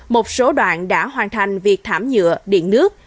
một số đoạn đã hoàn thành việc thảm nhựa điện nước